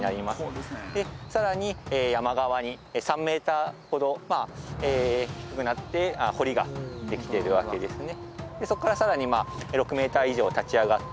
でさらに山側に３メーターほど低くなって堀ができているわけですね。